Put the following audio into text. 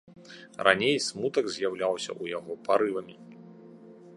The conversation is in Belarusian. Раней смутак з'яўляўся ў яго парывамі.